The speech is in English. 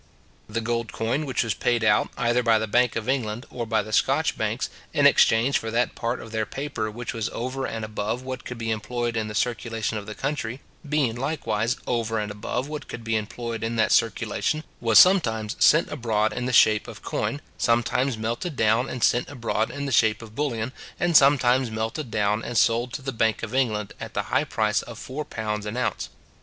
The gold coin which was paid out, either by the Bank of England or by the Scotch banks, in exchange for that part of their paper which was over and above what could be employed in the circulation of the country, being likewise over and above what could be employed in that circulation, was sometimes sent abroad in the shape of coin, sometimes melted down and sent abroad in the shape of bullion, and sometimes melted down and sold to the Bank of England at the high price of four pounds an ounce.